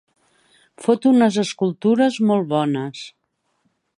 Fot unes escultures molt bones.